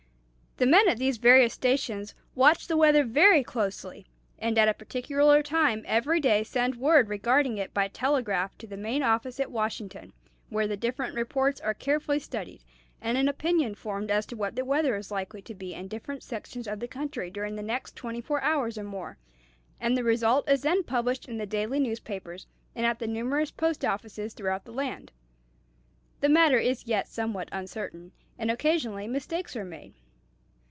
The men at these various stations watch the weather very closely, and at a particular time every day send word regarding it by telegraph to the main office at Washington, where the different reports are carefully studied, and an opinion formed as to what the weather is likely to be in different sections of the country during the next twenty four hours or more, and the result is then published in the daily newspapers and at the numerous post offices throughout the land. The matter is yet somewhat uncertain, and occasionally mistakes are made."